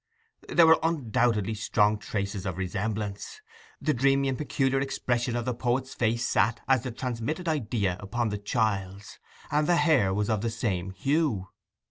There were undoubtedly strong traces of resemblance; the dreamy and peculiar expression of the poet's face sat, as the transmitted idea, upon the child's, and the hair was of the same hue.